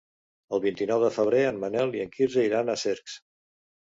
El vint-i-nou de febrer en Manel i en Quirze iran a Cercs.